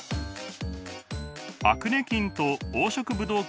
アクネ菌と黄色ブドウ